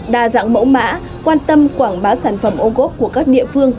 đa dạng mẫu mã quan tâm quảng bá sản phẩm ô cốt của các địa phương